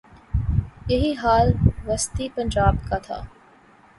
یہی حال وسطی پنجاب کا تھا۔